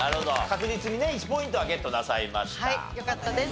確実にね１ポイントはゲットなさいました。